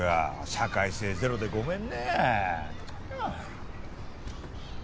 社会性ゼロでごめんね。